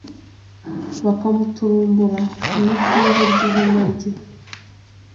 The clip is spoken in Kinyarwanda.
bakamuturumbura mu ituze ry'ihema rye